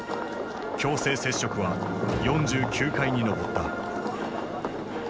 強制摂食は４９回に上った。